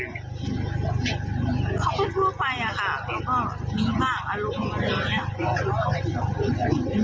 เขาพูดทั่วไปค่ะเขาก็มีมากอารมณ์มือมาก